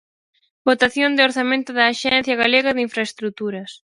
Votación do orzamento da Axencia Galega de Infraestruturas.